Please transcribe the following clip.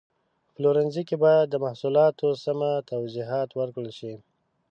په پلورنځي کې باید د محصولاتو سمه توضیحات ورکړل شي.